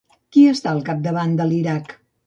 Qui està al capdavant de l'Iraq?